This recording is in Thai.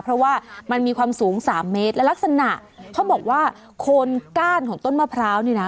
เพราะว่ามันมีความสูงสามเมตรและลักษณะเขาบอกว่าโคนก้านของต้นมะพร้าวนี่นะ